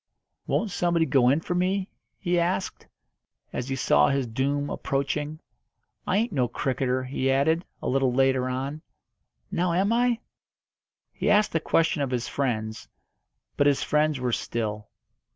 "Won't somebody go in for me?" he asked, as he saw his doom approaching. "I ain't no cricketer," he added, a little later on. "Now am I?" He asked the question of his friends, but his friends were still.